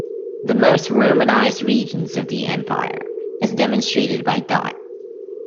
The most romanized regions of the Empire, as demonstrated by Dott.